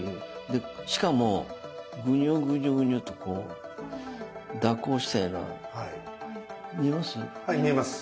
でしかもグニョグニョとこう蛇行したような見えます？